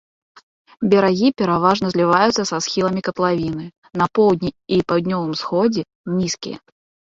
Берагі пераважна зліваюцца са схіламі катлавіны, на поўдні і паўднёвым усходзе нізкія.